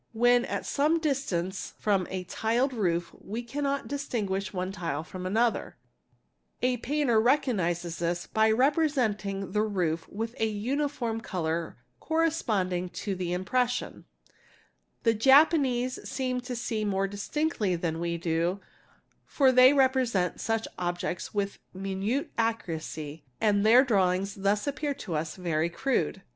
When at some distance from a tiled roof we cannot. distingui one tile from another; a painter recognizes this by representing the r with a uniform colour corresponding to the impression. The Japan seem to see more distinctly than we do for they represent such obje _ PHOTOGRAPHY—PARTICULAR CASES 2638 ' with minute accuracy and their drawings thus appear to us very crude.